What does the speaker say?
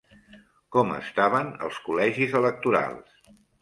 Com estaven els col·legis electorals?